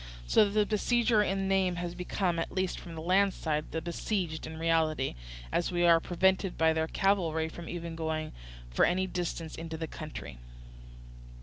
So that the besieger in name has become, at least from the land side, the besieged in reality; as we are prevented by their cavalry from even going for any distance into the country.